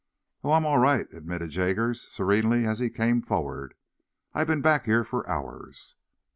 "Oh, I'm all right," admitted Jaggers, serenely, as he came forward. "I've been back here for hours."